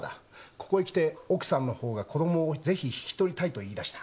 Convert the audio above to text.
ここへきて奥さんのほうが子供をぜひ引き取りたいと言いだした。